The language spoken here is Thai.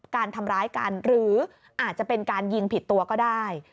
การทำร้ายกันหรืออาจจะเป็นการยิงผิดตัวก็ได้